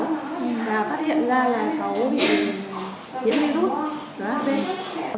và phát hiện ra là cháu